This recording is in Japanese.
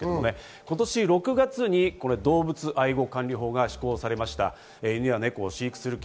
今年６月に動物愛護管理法が施行されました。